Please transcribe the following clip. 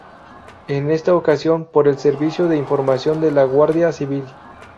En esta ocasión, por el Servicio de Información de la Guardia Civil.